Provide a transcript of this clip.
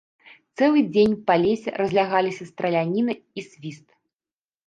Цэлы дзень па лесе разлягаліся страляніна і свіст.